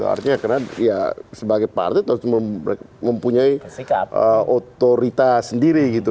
artinya karena ya sebagai partai harus mempunyai otoritas sendiri gitu